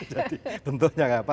jadi bentuknya apa